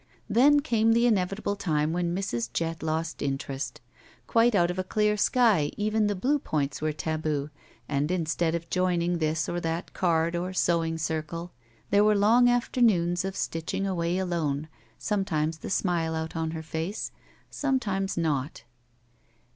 Then came the inevitable time when Mrs. Jett lost interest. Quite out of a clear sky even the Blue Points were taboo, and instead of joining this or that card or sewing circle, there were long after noons of stitching away alone, sometimes the smile out on her face, sometimes not.